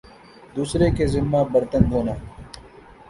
دوسری کے ذمہ برتن دھونا